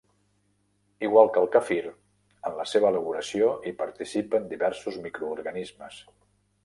Igual que el quefir, en la seva elaboració hi participen diversos microorganismes.